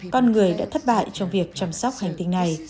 con người đã thất bại trong việc chăm sóc hành tinh này